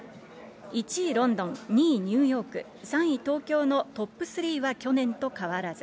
１位ロンドン、２位ニューヨーク、３位東京のトップ３は去年と変わらず。